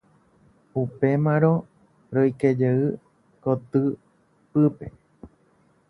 Upémarõ roikejey kotypýpe.